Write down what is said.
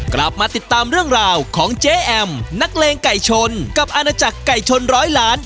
กลับมาติดตามเรื่องราวของเจ๊แอมนักเลงไก่ชนกับอาณาจักรไก่ชนร้อยล้าน